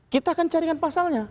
kita akan carikan pasalnya